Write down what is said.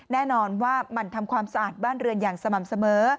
แน่นอนว่ามันทำความสะอาดบ้านเรือนอย่างสม่ำเสมอ